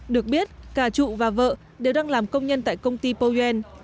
được biết cả trụ và vợ đều đang làm công nhân tại công ty powel